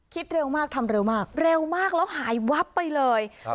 เร็วมากทำเร็วมากเร็วมากแล้วหายวับไปเลยครับ